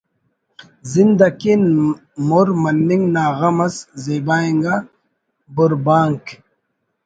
زند اکن مر مننگ نا غم ئس زیبا انگا بربانک